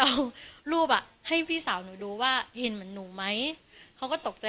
เอารูปอ่ะให้พี่สาวหนูดูว่าเห็นเหมือนหนูไหมเขาก็ตกใจ